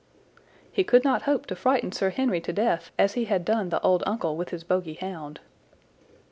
"He could not hope to frighten Sir Henry to death as he had done the old uncle with his bogie hound."